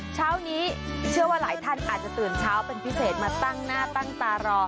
เช้านี้เชื่อว่าหลายท่านอาจจะตื่นเช้าเป็นพิเศษมาตั้งหน้าตั้งตารอ